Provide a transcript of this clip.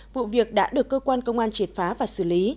vụ việc đã được cơ quan công an triệt phá và xử lý